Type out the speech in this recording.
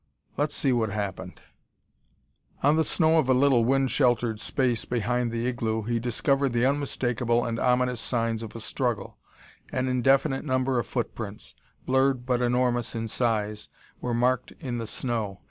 Let's see what's happened." On the snow of a little wind sheltered space behind the igloo he discovered the unmistakable and ominous signs of a struggle. An indefinite number of footprints, blurred but enormous in size, were marked in the snow.